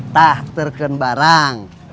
tah terken barang